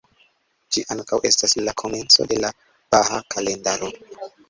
Ĝi ankaŭ estas la komenco de la Bahaa Kalendaro.